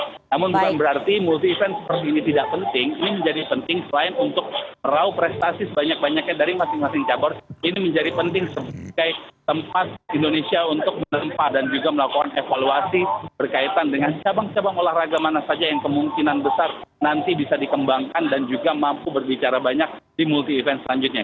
namun bukan berarti multi event seperti ini tidak penting ini menjadi penting selain untuk merauh prestasi sebanyak banyaknya dari masing masing cabar ini menjadi penting sebagai tempat indonesia untuk menempa dan juga melakukan evaluasi berkaitan dengan cabang cabang olahraga mana saja yang kemungkinan besar nanti bisa dikembangkan dan juga mampu berbicara banyak di multi event selanjutnya